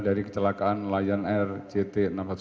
dari kecelakaan lion air jt enam ratus sepuluh